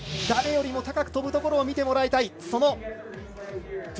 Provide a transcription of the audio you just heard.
誰より高くとぶところを見てもらいたい。